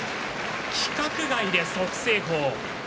規格外です、北青鵬。